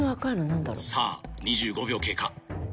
さぁ２５秒経過。